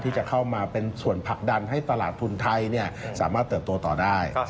ที่จะเข้ามาเป็นส่วนผลักดันให้ตลาดทุนไทยสามารถเติบโตต่อได้